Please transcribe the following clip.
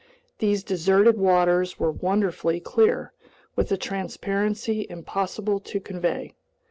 These deserted waters were wonderfully clear, with a transparency impossible to convey.